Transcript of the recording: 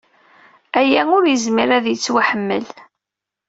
Aya ur yezmir ad yettwaḥmel!